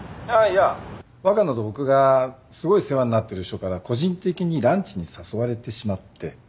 若菜と僕がすごい世話になってる人から個人的にランチに誘われてしまって。